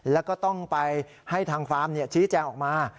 แล้วก็ต้องไปให้ทางฟาร์มชี้แจงออกมา